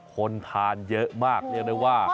คนทานเยอะมากเรียกได้ว่า